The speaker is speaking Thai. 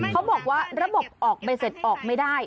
เขาบอกว่าระบบออกใบเสร็จออกไม่ได้